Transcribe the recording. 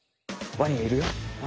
ワニいるよ。